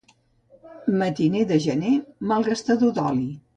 Matiner de gener, malgastador d'oli.